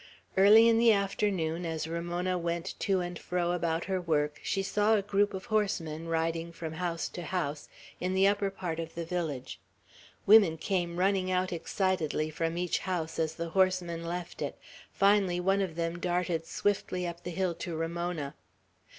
Early in the afternoon, as Ramona went to and fro about her work, she saw a group of horsemen riding from house to house, in the upper part of the village; women came running out excitedly from each house as the horsemen left it; finally one of them darted swiftly up the hill to Ramona.